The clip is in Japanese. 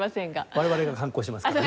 我々が観光しますからね。